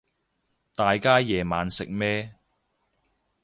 大家夜晚食咩